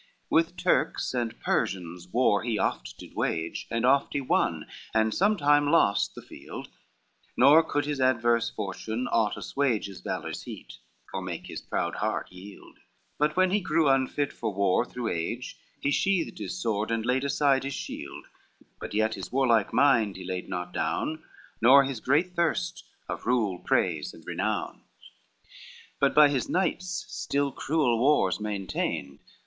VII With Turks and Persians war he oft did wage, And oft he won, and sometimes lost the field, Nor could his adverse fortune aught assuage His valor's heat or make his proud heart yield, But when he grew unfit for war through age, He sheathed his sword and laid aside his shield: But yet his warlike mind he laid not down, Nor his great thirst of rule, praise and renown, VIII But by his knights still cruel wars maintained.